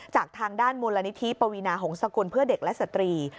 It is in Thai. จากทางด้านมูลนิธิปวีนาหงษกุลเพื่อเด็กและสตรี